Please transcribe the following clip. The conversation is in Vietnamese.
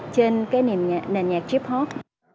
trên cái nền nhạc hip hop